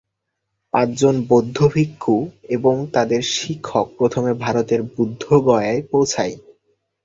পাঁচজন বৌদ্ধ ভিক্ষু এবং তাদের শিক্ষক প্রথমে ভারতের বুদ্ধগয়ায় পৌঁছায়।